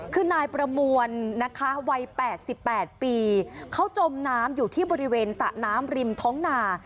คือนายประมวลนะคะวัย๘๘ปีเขาจมน้ำอยู่ที่บริเวณสระน้ำริมท้องนา